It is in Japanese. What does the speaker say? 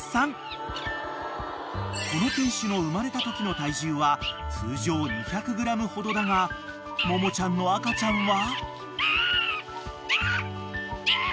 ［この犬種の産まれたときの体重は通常２００ｇほどだがモモちゃんの赤ちゃんは］